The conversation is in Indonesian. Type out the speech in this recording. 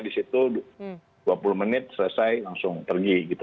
disitu dua puluh menit selesai langsung pergi gitu